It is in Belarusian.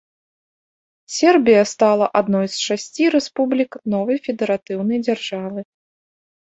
Сербія стала адной з шасці рэспублік новай федэратыўнай дзяржавы.